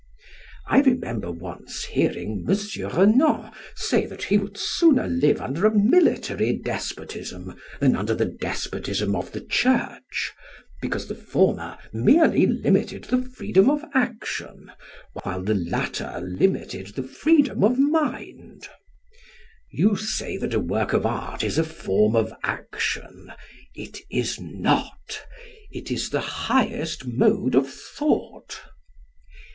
I remember once hearing M. Renan say that he would sooner live under a military despotism than under the despotism of the Church, because the former merely limited the freedom of action, while the latter limited the freedom of mind. You say that a work of art is a form of action: It is not. It is the highest mode of thought.